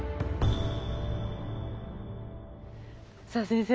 さあ先生